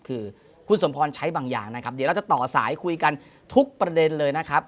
คือคุณสมพรใช้บางอย่างนะครับเดี๋ยวเราจะต่อสายคุยกันทุกประเด็นเลยนะครับ